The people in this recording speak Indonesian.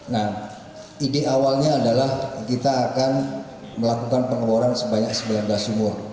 nah ide awalnya adalah kita akan melakukan pengeboran sebanyak sembilan belas sumur